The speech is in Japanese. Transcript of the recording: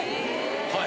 はい。